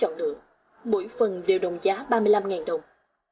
mỗi phần đều đồng giá ba mươi năm đồng